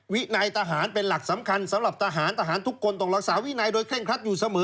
วินัยทหารเป็นหลักสำคัญสำหรับทหารทหารทุกคนต้องรักษาวินัยโดยเร่งครัดอยู่เสมอ